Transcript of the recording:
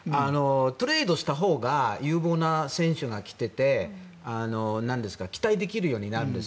トレードしたほうが有望な選手が来ていて期待できるようになるんです。